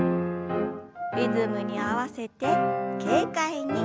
リズムに合わせて軽快に。